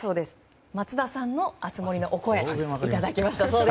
松田さんの熱盛のお声いただきました。